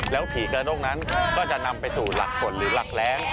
แล้วผีกระด้งนั้นก็จะนำไปสู่หลักฝนหรือหลักแรง